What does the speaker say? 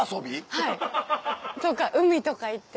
はいとか海とか行って。